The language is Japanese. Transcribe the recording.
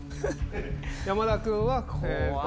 山田君はここ。